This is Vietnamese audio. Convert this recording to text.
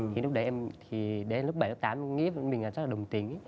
thì lúc đấy em thì đến lúc bảy lúc tám mình nghĩ mình là chắc là đồng tính